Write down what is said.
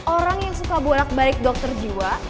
orang yang suka bolak balik dokter jiwa